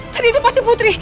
tadi itu pasti putri